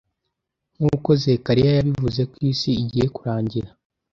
Nk`uko Zekariya yabivuze ko isi igiye kurangira